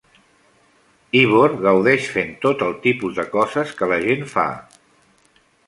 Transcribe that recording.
Ivor gaudeix fent tot el tipus de coses que la gent fa.